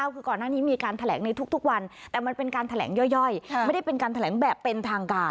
คือก่อนหน้านี้มีการแถลงในทุกวันแต่มันเป็นการแถลงย่อยไม่ได้เป็นการแถลงแบบเป็นทางการ